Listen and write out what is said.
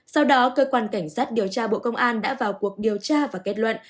sau đó cơ quan cảnh sát điều tra bộ công an đã vào cuộc điều tra và kết luận